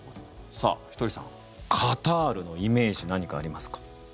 ひとりさんカタールのイメージ何かありますか？